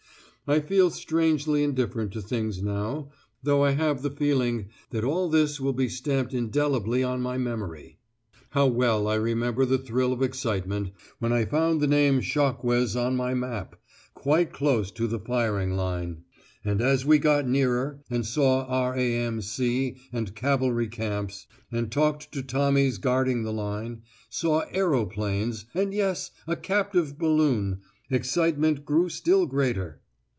I feel strangely indifferent to things now, though I have the feeling that all this will be stamped indelibly on my memory." How well I remember the thrill of excitement when I found the name Chocques on my map, quite close to the firing fine! And as we got nearer, and saw R.A.M.C. and cavalry camps, and talked to Tommies guarding the line, saw aeroplanes, and yes! a captive balloon, excitement grew still greater!